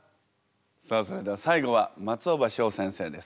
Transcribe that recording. さあそれでは最後は松尾葉翔先生です。